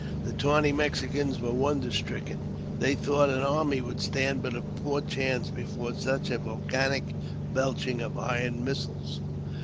The tawny Mexicans were wonder stricken : they thought an army would stand but a poor chance before such a volcanic belching of iron missiles.